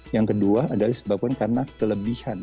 yang kedua adalah disebabkan karena kelebihan